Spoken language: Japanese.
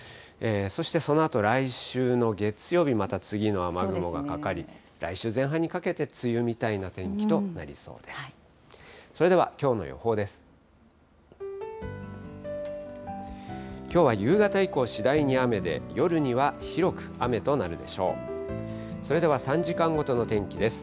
そしてそのあと、来週の月曜日、また次の雨雲がかかり、来週前半にかけて、梅雨みたいな天気となりそうです。